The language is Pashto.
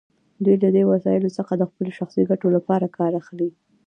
دوی له دې وسایلو څخه د خپلو شخصي ګټو لپاره کار اخلي.